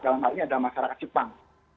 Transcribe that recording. dalam hal ini ada masyarakat jepang